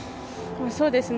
そうですね。